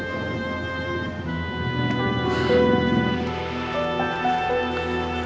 kamu mengalami safina